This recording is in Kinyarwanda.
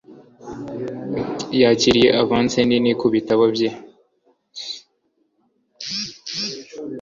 Yakiriye avance nini kubitabo bye.